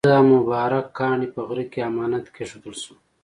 دا مبارک کاڼی په غره کې امانت کېښودل شو.